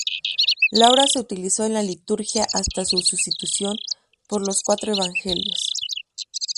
La obra se utilizó en la liturgia hasta su sustitución por los cuatro evangelios.